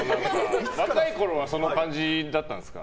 若いころはその感じだったんですか？